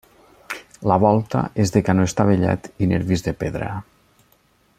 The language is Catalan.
La volta és de canó estavellat i nervis de pedra.